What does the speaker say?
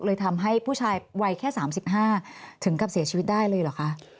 เลยทำให้ผู้ชายวัยแค่๓๕ถึงกับเสียชีวิตได้เลยเหรอคะ